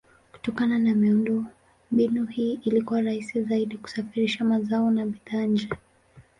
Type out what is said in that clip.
Kutokana na miundombinu hii ilikuwa rahisi zaidi kusafirisha mazao na bidhaa nje.